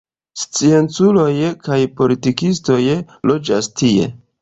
Scienculoj kaj politikistoj loĝas tie.